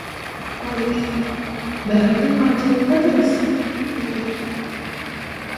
ol ikisem «Bäherden gapdalyndandyrys» diýdiler.